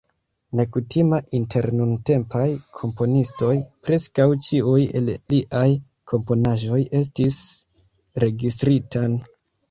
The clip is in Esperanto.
Nekutima inter nuntempaj komponistoj, preskaŭ ĉiuj el liaj komponaĵoj estis registritaj.